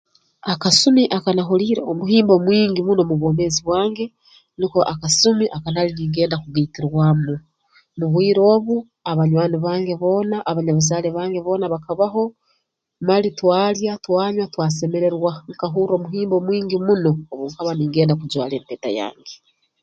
Akasumi aka nahuliire omuhimbo mwingi muno mu bwomeezi bwange nuko akasumi akanali ningenda kugaitirwamu mu bwire obu abanywani bange boona abanyabuzaale bange boona bakabaho mali twalya twanywa twasemererwa nkahurra omuhimbo muno obu nkaba ningenda kujwara empeta yange